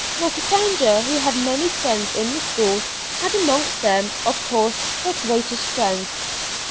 Now Cassandra, who had many friends in the school, had amongst them, of course, her greatest friend.